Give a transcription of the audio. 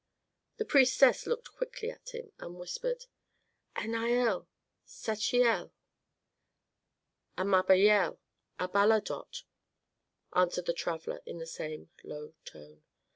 The priestess looked quickly at him and whispered, "Anael, Sachiel " "Amabiel, Abalidot," answered the traveller, in the same low tone.